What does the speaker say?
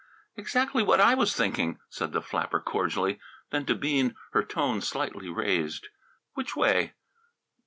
"Exactly what I was thinking!" said the flapper cordially. Then, to Bean, her tone slightly raised: "Which way?"